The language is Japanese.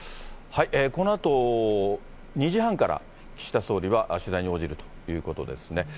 このあと、２時半から岸田総理は取材に応じるということですね。